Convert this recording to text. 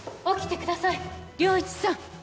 起きてください良一さん！